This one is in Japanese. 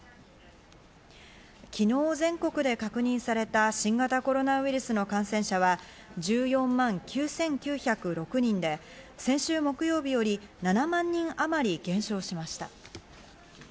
昨日全国で確認された新型コロナウイルスの感染者は１４万９９０６人で、先週木曜日より７万人あまり減少しました。